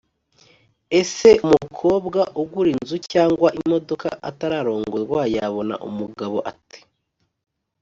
“ese umukobwa ugura inzu cyangwa imodoka atararongorwa yabona umugabo ate